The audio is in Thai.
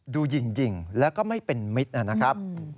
ดูยิงแล้วก็ไม่เป็นมิตรนะครับ